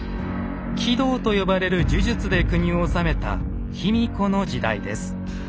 「鬼道」と呼ばれる呪術で国を治めた卑弥呼の時代です。